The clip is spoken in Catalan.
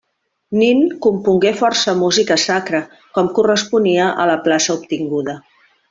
Nin compongué força música sacra, com corresponia a la plaça obtinguda.